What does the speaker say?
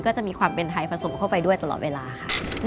ก็จะมีความเป็นไทยผสมเข้าไปด้วยตลอดเวลาค่ะ